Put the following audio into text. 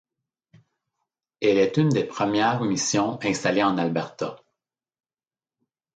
Elle est une des premières missions installées en Alberta.